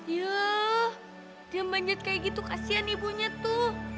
ya dia manjat kayak gitu kasihan ibunya tuh